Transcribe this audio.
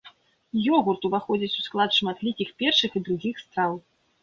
Ёгурт уваходзіць у склад шматлікіх першых і другіх страў.